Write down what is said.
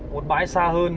một bãi xa hơn